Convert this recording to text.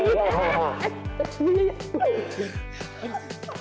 ya enggak nih